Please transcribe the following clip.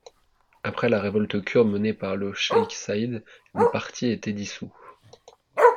Après la révolte kurde menée par le Cheikh Saïd, le parti a été dissous.